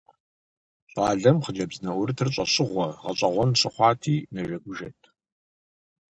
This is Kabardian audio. Щӏалэм хъыджэбз нэӀурытыр щӀэщыгъуэ, гъэщӀэгъуэн щыхъуати, нэжэгужэт.